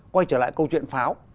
quay trở lại câu chuyện pháo